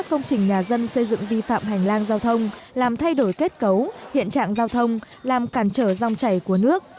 các công trình nhà dân xây dựng vi phạm hành lang giao thông làm thay đổi kết cấu hiện trạng giao thông làm cản trở dòng chảy của nước